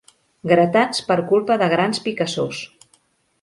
Gratats per culpa de grans picassors.